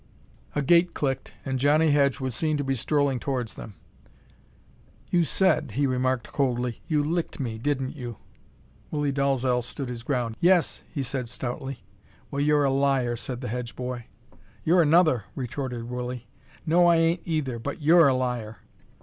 A gate clicked, and Johnnie Hedge was seen to be strolling towards them. "You said," he remarked, coldly, "you licked me, didn't you?" Willie Dalzel stood his ground. "Yes," he said, stoutly. "Well, you're a liar," said the Hedge boy. "You're another," retorted Willie. "No, I ain't, either, but you're a liar."